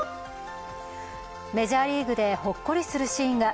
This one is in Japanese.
メジャーリーグでほっこりするシーンが。